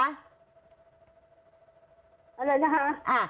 อะไรด้วยคะ